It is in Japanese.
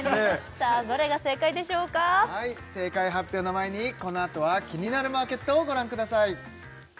さあどれが正解でしょうか正解発表の前にこのあとは「キニナルマーケット」をご覧ください